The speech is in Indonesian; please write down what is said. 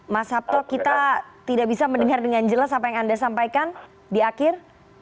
mas sabto kita tidak bisa mendengar dengan jelas apa yang anda sampaikan di akhir